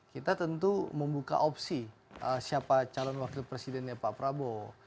kita tentu membuka opsi siapa calon wakil presidennya pak prabowo